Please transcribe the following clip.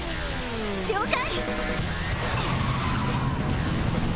了解！